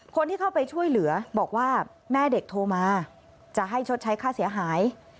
คนที่เข้าไปช่วยเหลือบอกว่าแม่เด็กโทรมาจะให้ชดใช้ค่าเสียหาย